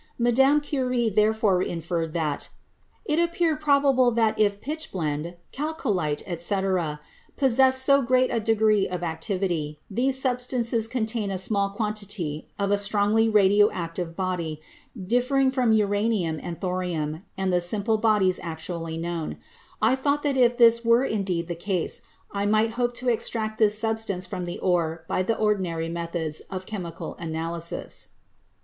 Mme. Curie therefore inferred that, "It appeared prob able that if pitchblende, chalcolite, etc., possess so great a degree of activity, these substances contain a small quan tity of a strongly radio active body, differing from uranium and thorium and the simple bodies actually known. I thought that if this were indeed the case, I might hope to extract this substance from the ore by the ordinary meth ods of chemical analysis."